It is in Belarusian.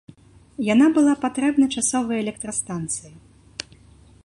Яна была патрэбна часовай электрастанцыі.